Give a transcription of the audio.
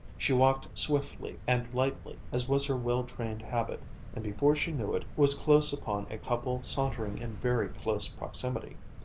She walked swiftly and lightly as was her well trained habit, and before she knew it, was close upon a couple sauntering in very close proximity.